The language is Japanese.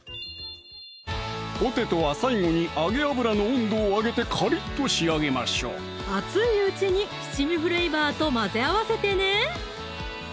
ポテトは最後に揚げ油の温度を上げてカリッと仕上げましょう熱いうちに七味フレーバーと混ぜ合わせてね！